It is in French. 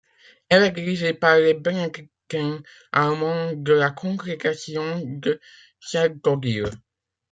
Elle est dirigée par les bénédictins allemands de la congrégation de Sainte-Odile.